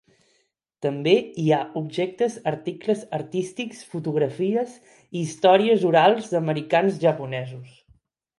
També hi ha objectes, articles artístics, fotografies i històries orals d'americans japonesos.